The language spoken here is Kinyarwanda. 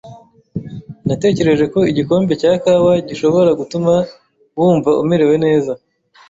Natekereje ko igikombe cya kawa gishobora gutuma wumva umerewe neza.